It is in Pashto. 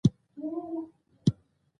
هغه اووه سمستره چې ما په څومره زحمت خلاص کړل.